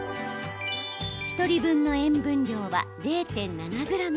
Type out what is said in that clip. １人分の塩分量は０．７ｇ。